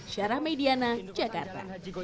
syarah mediana jakarta